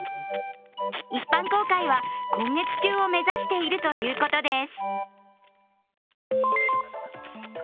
一般公開は今月中を目指しているということです。